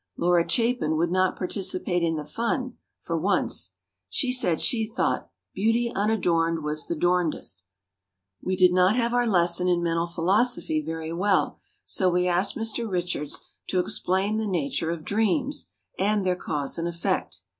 Laura Chapin would not participate in the fun, for once. She said she thought "Beauty unadorned was the dorndest." We did not have our lesson in mental philosophy very well so we asked Mr. Richards to explain the nature of dreams and their cause and effect.